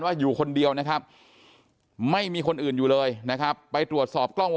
อยู่คนเดียวนะครับไม่มีคนอื่นอยู่เลยนะครับไปตรวจสอบกล้องวง